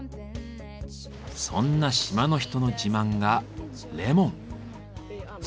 そんな島の人の自慢がレモン。